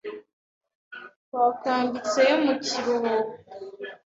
Twakambitseyo mu kiruhuko.